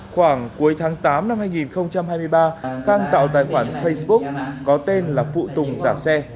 khoảng cuối tháng tám năm hai nghìn hai mươi ba khang tạo tài khoản facebook có tên là phụ tùng giả xe